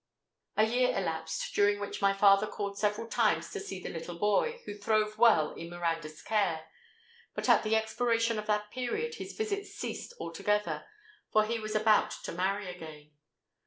"A year elapsed, during which my father called several times to see the little boy, who throve well in Miranda's care. But at the expiration of that period his visits ceased altogether;—for he was about to marry again.